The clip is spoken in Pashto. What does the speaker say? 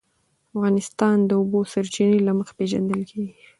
افغانستان د د اوبو سرچینې له مخې پېژندل کېږي.